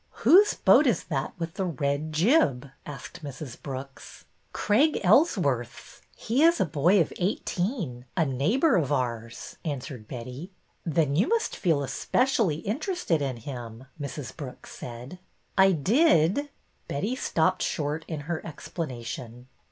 Whose boat is that with the red jib? " asked Mrs. Brooks. '' Craig Ellsworth's. He is a boy of eighteen, a neighbor of ours," answered Betty. Then you must feel especially interested in him," Mrs. Brooks said. '' I did —" Betty stopped short in her ex planation.